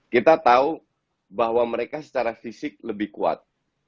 kita tahu bahwa mereka secara fisik lebih kuat